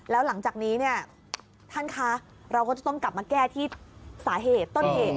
แล้วหลังจากนี้เนี่ยท่านคะเราก็จะต้องกลับมาแก้ที่สาเหตุต้นเหตุ